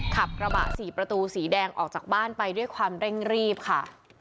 ขับกระบะสี่ประตูสีแดงออกจากบ้านไปด้วยความเร่งรีบค่ะ